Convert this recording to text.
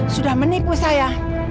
sudah menipu saya